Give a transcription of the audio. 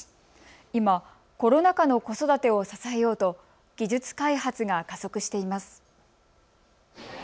今、コロナ禍の子育てを支えようと、技術開発が加速しています。